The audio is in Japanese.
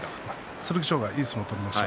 剣翔がいい相撲を取りました。